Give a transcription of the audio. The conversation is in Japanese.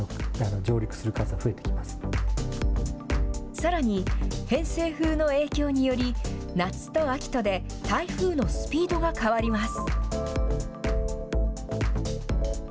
さらに、偏西風の影響により、夏と秋とで、台風のスピードが変わります。